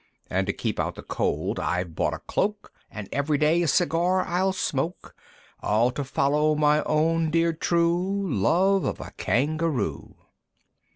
And to keep out the cold I've bought a cloak, And every day a cigar I'll smoke, All to follow my own dear true Love of a Kangaroo!"